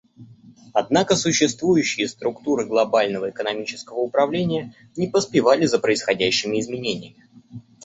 Однако существующие структуры глобального экономического управления не поспевали за происходящими изменениями.